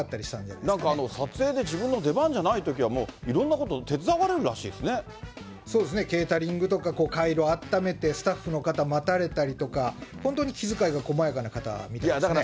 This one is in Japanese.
なんか撮影で、自分の出番じゃないときは、もういろんなこと、そうですね、ケータリングとか、かいろあっためて、スタッフの方待たれたりとか、本当に気遣いが細やかな方みたいですね。